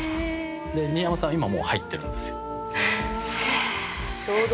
新山さんは今もう入ってるんですよ。